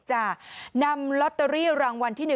จะนำลอตเตอรี่รางวัลที่๑